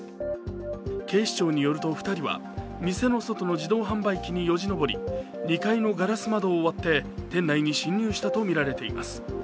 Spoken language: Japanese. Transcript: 警視庁によるお、２人は、店の外の自動販売機によじ上り２階のガラス窓を割って店内に侵入したとみられています。